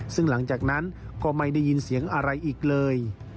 ซึ่งหลังจากนั้นก็ไม่ได้ยินเสียงอะไรอีกเลย